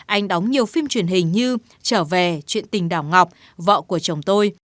anh đóng nhiều phim truyền hình như trở về chuyện tình đảo ngọc vợ của chồng tôi